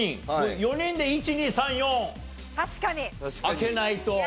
４人で１２３４開けないと。